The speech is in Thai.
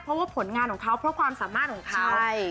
เพราะว่าผลงานของเขาเพราะความสามารถของเขา